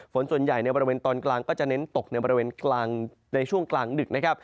ฝนส่วนใหญ่ในบริเวณตอนกลางก็จะเน้นตกในบริเวณในช่วงกลางดึกนะครับ